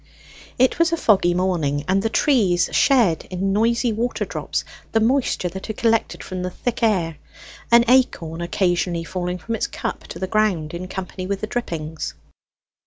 It was a foggy morning, and the trees shed in noisy water drops the moisture they had collected from the thick air, an acorn occasionally falling from its cup to the ground, in company with the drippings.